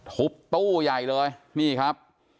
ทุบตู้ใหญ่เลยนี่ครับ